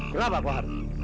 kenapa pak kohar